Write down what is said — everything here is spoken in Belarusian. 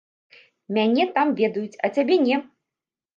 Мяне там ведаюць, а цябе не.